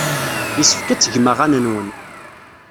Yessefk ad tgem aɣan-nwen.